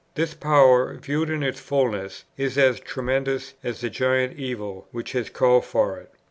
This power, viewed in its fulness, is as tremendous as the giant evil which has called for it.